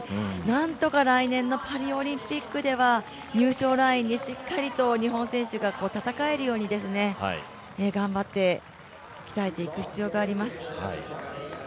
なんとか来年のパリオリンピックでは入賞ラインにしっかりと日本選手が戦えるように頑張って鍛えていく必要があります。